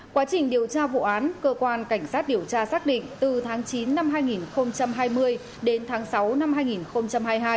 quá trình điều tra vụ án cơ quan cảnh sát điều tra xác định từ tháng chín năm hai nghìn hai mươi đến tháng sáu năm hai nghìn hai mươi hai